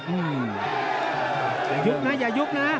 อย่ายุกนะอย่ายุกนะ